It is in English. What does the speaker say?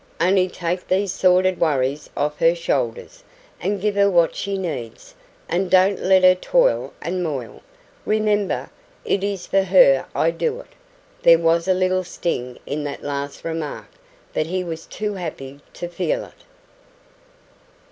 Only take these sordid worries off her shoulders, and give her what she needs, and don't let her toil and moil. Remember, it is for her I do it." There was a little sting in that last remark, but he was too happy to feel it.